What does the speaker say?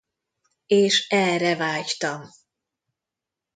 És erre vágytam!